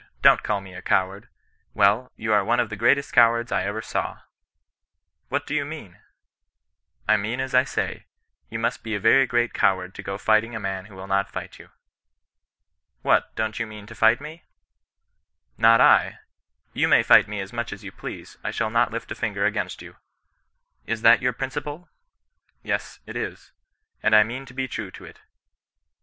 don't call me a coward.' * Well, you are one of the greatest cowards I ever saw.' * What do you mean Y * I mean as I say ; you must be a very great coward to go fighting a man who will not fight you.' ' What, don't you mean to fight mel' ' Not I ; you may fight me as much as you please, I shall not lift up a finger against you.' ^ Is that your principle ]'' Yes, it is ; and I mean to be true to it.'